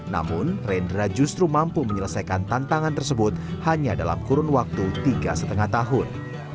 namun rendra justru mampu menyelesaikan tantangan tersebut hanya dalam kurun waktu tiga lima tahun